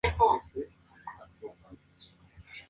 Todos estos suelos tienen índices de fertilidad bajos a medios.